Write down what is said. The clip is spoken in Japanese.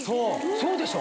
そうでしょ？